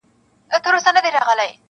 • ارمانونه یې ګورته وړي دي -